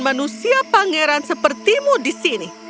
manusia pangeran sepertimu di sini